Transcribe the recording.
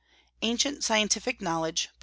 ANCIENT SCIENTIFIC KNOWLEDGE.